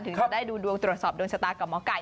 ถึงจะได้ดูดวงตรวจสอบดวงชะตากับหมอไก่